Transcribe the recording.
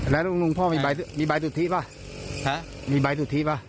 แล้วลุงพ่อมีใบสุทธิป่ะมีใบสุทธิป่ะ